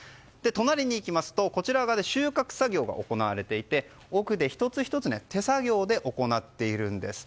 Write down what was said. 隣に行きますとこちらで収穫作業が行われていて奥で１つ１つ手作業で行っているんです。